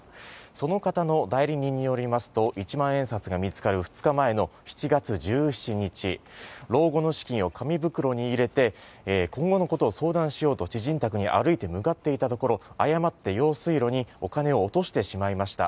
その方の代理人によりますと一万円札が見つかる２日前の、７月１７日、老後の資金を紙袋に入れて今後のことを相談しようと、知人宅に向かっていたところ誤って用水路にお金を落としてしまいました。